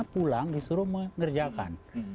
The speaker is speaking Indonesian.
pulang disuruh mengerjakan